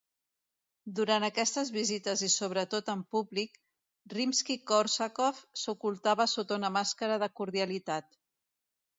Durant aquestes visites i sobretot en públic, Rimski-Kórsakov s'ocultava sota una màscara de cordialitat.